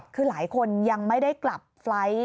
คือหลายคนยังไม่ได้กลับไฟล์ท